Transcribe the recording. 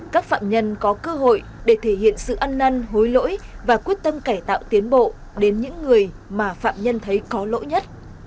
các phạm nhân có cơ hội để thể hiện sự ăn năn hối lỗi và quyết tâm cải tạo tiến bộ đến những người mà phạm nhân thấy có lỗi nhất